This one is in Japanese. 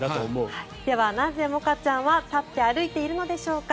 では、なぜモカちゃんは立って歩いているのでしょうか。